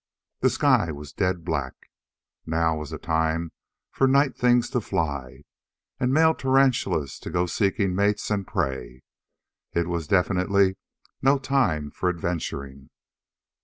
The sky was dead black. Now was the time for night things to fly, and male tarantulas to go seeking mates and prey. It was definitely no time for adventuring.